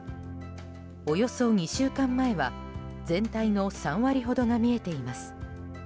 およそ２週間前は全体の３割ほどが見えています。